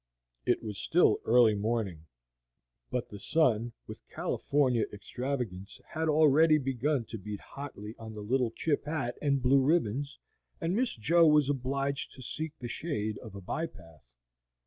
It was still early morning, but the sun, with California extravagance, had already begun to beat hotly on the little chip hat and blue ribbons, and Miss Jo was obliged to seek the shade of a bypath.